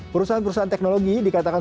perusahaan perusahaan teknologi dikatakan